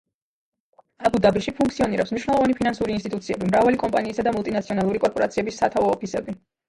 აბუ-დაბიში ფუნქციონირებს მნიშვნელოვანი ფინანსური ინსტიტუციები, მრავალი კომპანიისა და მულტინაციონალური კორპორაციების სათავო ოფისები.